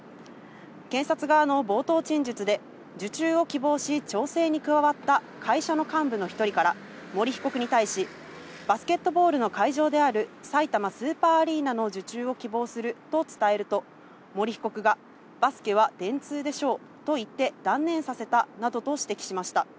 検察側の冒頭陳述で受注を希望し、調整に加わった会社の幹部の１人から森被告に対し、バスケットボールの会場である、さいたまスーパーアリーナの受注を希望すると伝えると、森被告が、バスケは電通でしょうと言って断念させたなどと指摘しました。